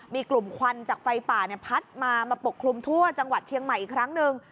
มีกลุ่มควันจากไฟป่าพัดมามาปกคลุมทั่วจังหวัดเชียงใหม่อีกครั้งหนึ่ง